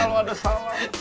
kalau ada salah